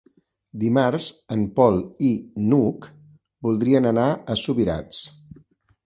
Dimarts en Pol i n'Hug voldrien anar a Subirats.